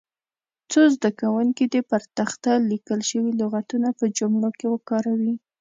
څو زده کوونکي دې پر تخته لیکل شوي لغتونه په جملو کې وکاروي.